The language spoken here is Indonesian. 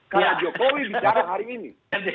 karena jokowi bicara hari ini